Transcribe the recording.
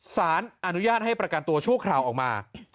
สารอนุญาตให้ประกันตัวชั่วคราวออกมา